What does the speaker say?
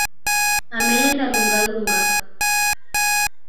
Ameenda Lunga Lunga.